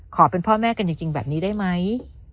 เป็นพ่อแม่กันจริงแบบนี้ได้ไหม